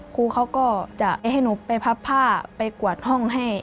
ครูเขาก็จะให้หนูไปพับผ้าไปกวาดห้องให้